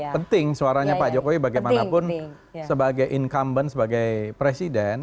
penting suaranya pak jokowi bagaimanapun sebagai incumbent sebagai presiden